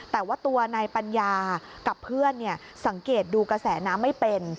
แต่ว่าตัวนายปัญญากับเพื่อนสังเกตดูกระแสน้ำไม่เป็น